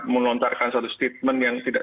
melontarkan satu statement yang tidak